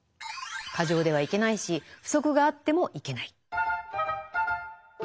過剰ではいけないし不足があってもいけない。